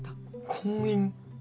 婚姻？